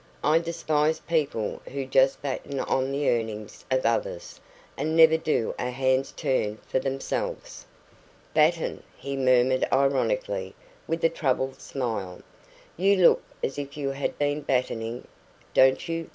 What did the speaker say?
I despise people who just batten on the earnings of others, and never do a hand's turn for themselves." "Batten!" he murmured ironically, with a troubled smile. "You look as if you had been battening, don't you?